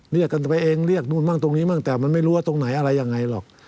เรียกกันไปเองเรียกนู่นมั่งตรงนี้มั่งแต่มันไม่รู้ว่าตรงไหนอะไรยังไงหรอก